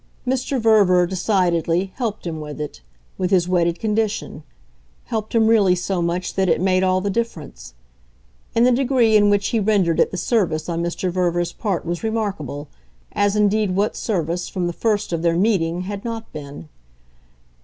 Mr. Verver, decidedly, helped him with it with his wedded condition; helped him really so much that it made all the difference. In the degree in which he rendered it the service on Mr. Verver's part was remarkable as indeed what service, from the first of their meeting, had not been?